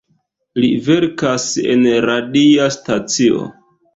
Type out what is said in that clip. Li verkas en radia stacio.